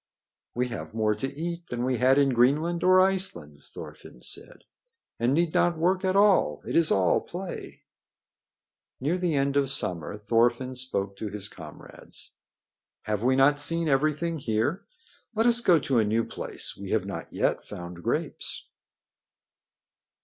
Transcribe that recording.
"We have more to eat than we had in Greenland or Iceland," Thorfinn said, "and need not work at all. It is all play." Near the end of summer Thorfinn spoke to his comrades. "Have we not seen everything here? Let us go to a new place. We have not yet found grapes."